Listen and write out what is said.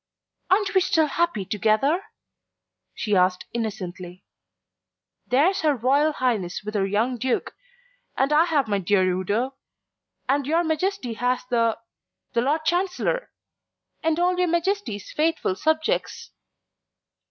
"Aren't we still happy together?" she asked innocently. "There's her Royal Highness with her young Duke, and I have my dear Udo, and your Majesty has the the Lord Chancellor and all your Majesty's faithful subjects."